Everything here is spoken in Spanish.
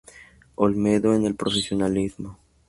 Olmedo en el profesionalismo.